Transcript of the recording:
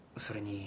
それに？